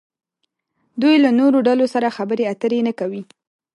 دوی له نورو ډلو سره خبرې اترې نه کوي.